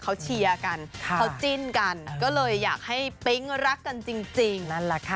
เขาเชียร์กันเขาจิ้นกันก็เลยอยากให้ปิ๊งรักกันจริงนั่นแหละค่ะ